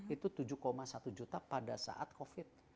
itu tujuh satu juta pada saat covid